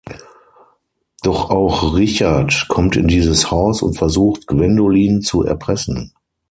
Doch auch Richard kommt in dieses Haus und versucht, Gwendolin zu erpressen.